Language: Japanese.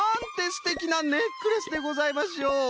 すてきなネックレスでございましょう！